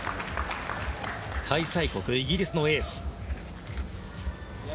開催国イギリスのエース。